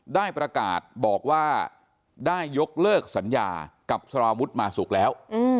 ได้ประกาศบอกว่าได้ยกเลิกสัญญากับสารวุฒิมาสุกแล้ว